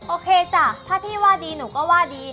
โอเคจ้ะถ้าพี่ว่าดีหนูก็ว่าดี